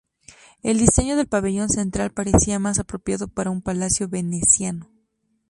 El diseño del pabellón central parecía más apropiado para un palacio veneciano.